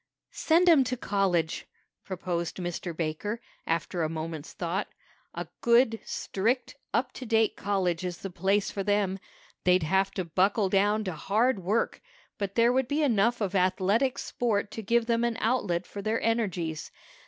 "Send 'em to college!" proposed Mr. Baker, after a moment's thought. "A good, strict, up to date college is the place for them. They'd have to buckle down to hard work, but there would be enough of athletic sport to give them an outlet for their energies.